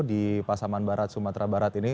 di pasaman barat sumatera barat ini